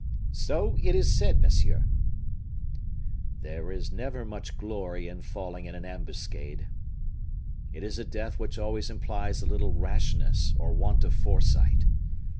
"So it is said, monsieur." "There is never much glory in falling in an ambuscade. It is a death which always implies a little rashness or want of foresight.